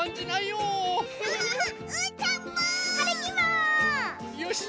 よし！